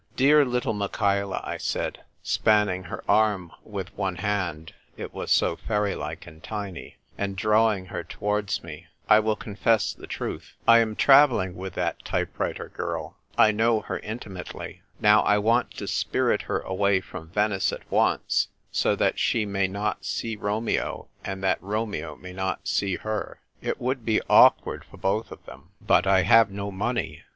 " Dear little Michaela," I said, spanning her arm with one hand — it was so fairy like and tiny — and drawing iier towards me, " I will confess the truth. I am travelling with that type writer girl. I know her intimately. Now, I want to spirit her away from Venice at once, so that she may not see Romeo, and that Romeo may not see her. It would be awkward for both of them. But I have no money.